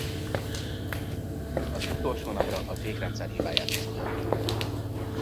Az utolsó napra a fékrendszer hibáját is kijavították.